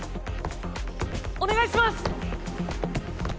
お願いします！